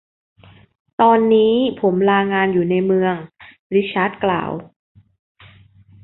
ตอนนี้ผมลางานอยู่ในเมือง ริชาร์ดกล่าว